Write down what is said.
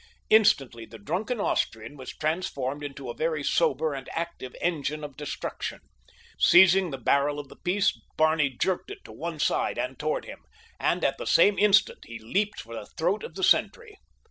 Instantly the drunken Austrian was transformed into a very sober and active engine of destruction. Seizing the barrel of the piece Barney jerked it to one side and toward him, and at the same instant he leaped for the throat of the sentry.